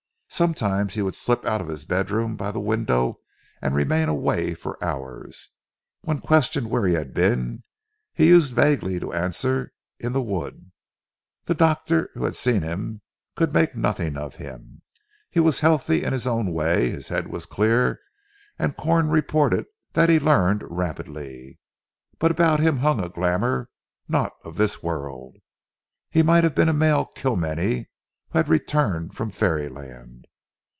Sometimes he would slip out of his bedroom by the window and remain away for hours. When questioned where he had been he used vaguely to answer "In the wood." The doctors who had seen him could make nothing of him. He was healthy in his own way, his head was clear, and Corn reported that he learned rapidly. But about him hung a glamour not of this world. He might have been a male Kilmeny who had returned from fairy land.